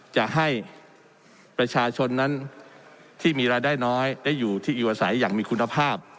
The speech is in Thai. จะให้ประชาชนนั้นที่มีรายได้น้อยได้อยู่ที่อยู่อาศัยอย่างมีคุณภาพ